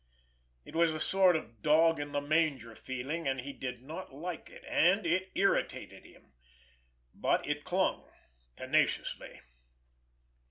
It was a sort of dog in the manger feeling, and he did not like it, and it irritated him—but it clung tenaciously.